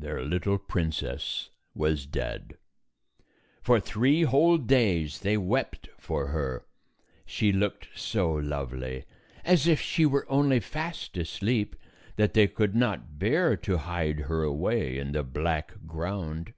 Their little princess was dead. For three whole days they wept for her. She looked so lovely, as if she were only fast asleep, that they could not bear to hide her away in the black ground.